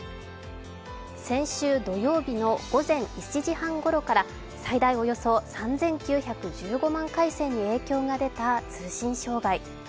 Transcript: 先週土曜日の午前１時半ごろから最大およそ３９１５万回線に影響が出た通信障害。